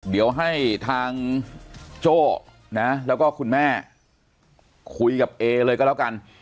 เดี๋ยวให้ทางโจ้นะแล้วก็คุณแม่คุยกับเอเลยก็แล้วกัน